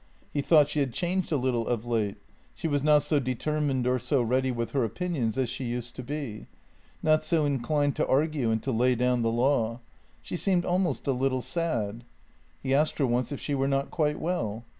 He thought she had changed a little of late; she was not so determined or so ready with her opinions as she used to be; not so inclined to argue and to lay down the law. She seemed almost a little sad. He asked her once if she were not quite well.